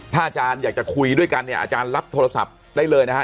ถ้าอาจารย์อยากจะคุยด้วยกันเนี่ยอาจารย์รับโทรศัพท์ได้เลยนะฮะ